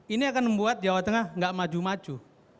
ini akan membuat jawa tengah gak maju maju